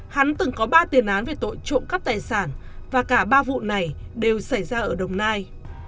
hắn từng có ba tiền án về tội trộm cắp tài sản và cả ba vụ này đều xảy ra ở đồng nai